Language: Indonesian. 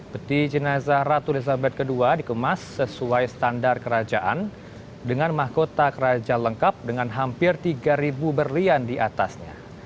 peti jenazah ratu elizabeth ii dikemas sesuai standar kerajaan dengan mahkota kerajaan lengkap dengan hampir tiga berlian di atasnya